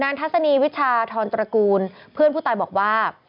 ทัศนีวิชาทรตระกูลเพื่อนผู้ตายบอกว่า